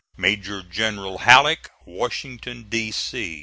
MAJOR GENERAL HALLECK, Washington D. C.